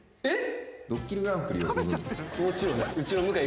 えっ？